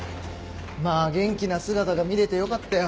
まあ元気な姿が見れてよかったよ。